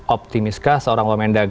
optimistkah seorang lomenda